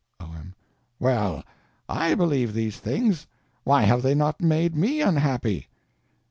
O.M. Well, I believe these things. Why have they not made me unhappy?